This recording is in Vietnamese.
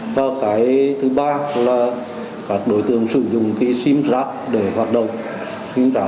và cái thứ ba là các đối tượng sử dụng sim giác để hoạt động